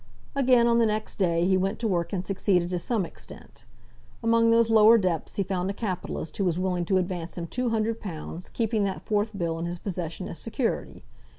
Again, on the next day, he went to work and succeeded to some extent. Among those lower depths he found a capitalist who was willing to advance him two hundred pounds, keeping that fourth bill in his possession as security.